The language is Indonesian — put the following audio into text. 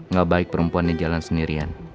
gak baik perempuan di jalan sendirian